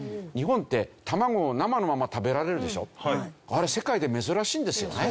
あれ世界で珍しいんですよね。